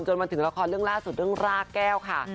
มาถึงละครเรื่องล่าสุดเรื่องรากแก้วค่ะ